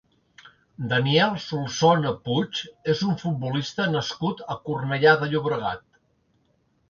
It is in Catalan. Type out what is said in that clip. Daniel Solsona Puig és un futbolista nascut a Cornellà de Llobregat.